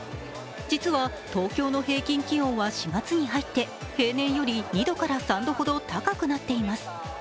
実は東京の平均気温は４月に入って平年より２度から３度ほど高くなっています。